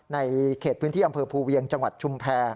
ในเขตพื้นที่อำเภอภูเวียงจังหวัดชุมแพร